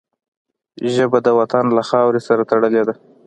ژبه د وطن له خاورو سره تړلې ده